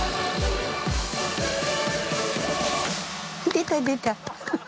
出た出た！